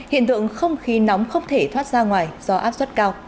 hiện tượng không khí nóng không thể thoát ra ngoài do áp suất cao